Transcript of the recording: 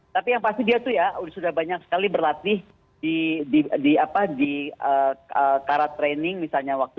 tapi yang pasti dia tuh ya sudah banyak sekali berlatih di karat training misalnya waktu